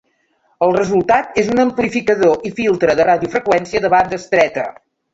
El resultat és un amplificador i filtre de radiofreqüència de banda estreta.